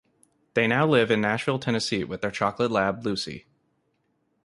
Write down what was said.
They now live in Nashville, Tennessee with their chocolate lab, Lucy.